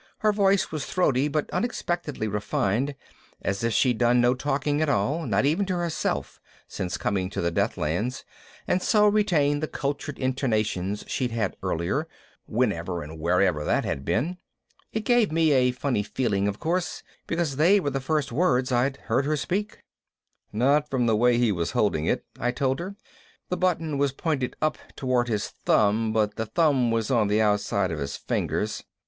Her voice was throaty but unexpectedly refined, as if she'd done no talking at all, not even to herself, since coming to the Deathlands and so retained the cultured intonations she'd had earlier, whenever and wherever that had been. It gave me a funny feeling, of course, because they were the first words I'd heard her speak. "Not from the way he was holding it," I told her. "The button was pointed up toward his thumb but the thumb was on the outside of his fingers."